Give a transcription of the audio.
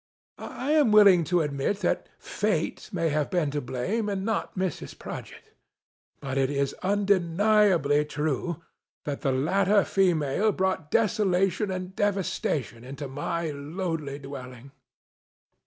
I am willing to admit that Fate may have been to blame, and not Mrs. Prodgit ; but, it is undeniably true, that the latter female brought desolation and devastation into my lowly dwelling.